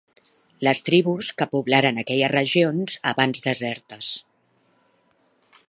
Les tribus que poblaren aquelles regions abans desertes.